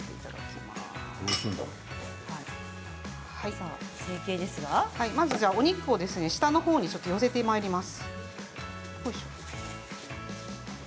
まずお肉を下のほうに寄せてまいります。